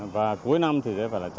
và cuối năm thì sẽ phải là một trăm linh